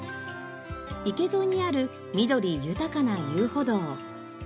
池沿いにある緑豊かな遊歩道。